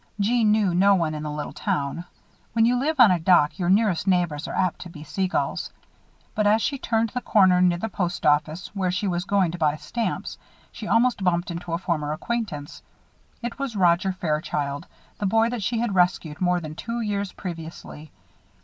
Jeanne knew no one in the little town. When you live on a dock, your nearest neighbors are apt to be seagulls. But, as she turned the corner near the post office, where she was going to buy stamps, she almost bumped into a former acquaintance. It was Roger Fairchild, the boy that she had rescued more than two years previously.